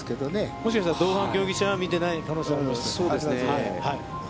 もしかしたら同伴競技者は見てない可能性もあります。